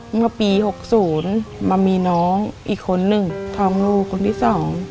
เมื่อปี๖๐มามีน้องอีกคนนึงทองลูกคนที่สอง